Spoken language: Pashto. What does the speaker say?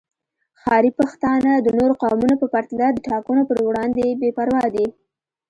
ښاري پښتانه د نورو قومونو په پرتله د ټاکنو پر وړاندې بې پروا دي